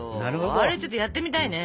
あれちょっとやってみたいね。